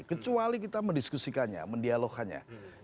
kecuali kita mendiskusikannya mendialogkannya